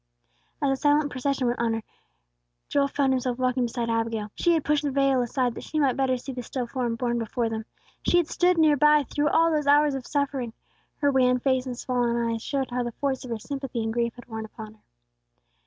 As the silent procession went onward, Joel found himself walking beside Abigail. She had pushed her veil aside that she might better see the still form borne before them; she had stood near by through all those hours of suffering. Her wan face and swollen eyes showed how the force of her sympathy and grief had worn upon her.